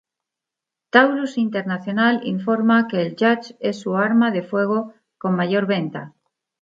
Taurus International informa que el Judge es su arma de fuego con mayor venta.